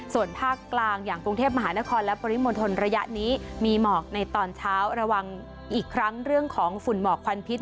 ส่วนภาคกลางอย่างกรุงเทพมหานครและปริมณฑลระยะนี้มีหมอกในตอนเช้าระวังอีกครั้งเรื่องของฝุ่นหมอกควันพิษ